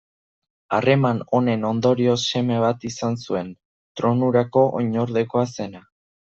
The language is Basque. Harreman honen ondorioz, seme bat izan zuen, tronurako oinordekoa zena.